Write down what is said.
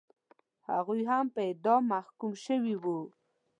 هغوی هم په اعدام محکوم شوي وو.